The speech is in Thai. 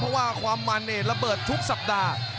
เพราะว่าความมันระเบิดทุกสัปดาห์